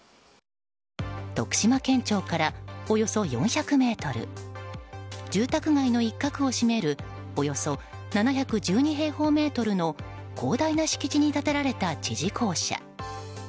徳島県庁からおよそ４００ｍ住宅街の一角を占めるおよそ７１２平方メートルの広大な敷地に建てられた知事公舎。